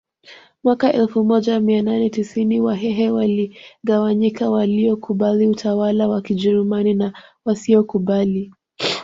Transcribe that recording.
Mwaka elfu moja mia nane tisini wahehe waligawanyika waliokubali utawala wa kijerumani na wasiokubali